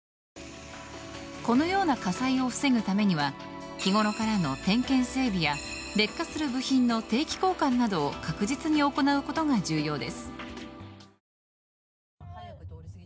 このような火災を防ぐためには日頃からの点検・整備や劣化する部品の定期交換などを確実に行うことが重要です。